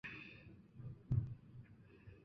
王掞在石槽迎驾。